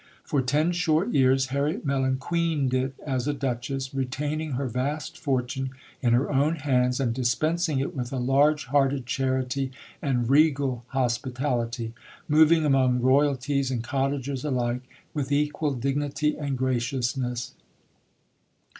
For ten short years Harriet Mellon queened it as a Duchess, retaining her vast fortune in her own hands and dispensing it with a large hearted charity and regal hospitality, moving among Royalties and cottagers alike with equal dignity and graciousness.